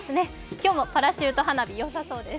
今日もパラシュート花火、良さそうです。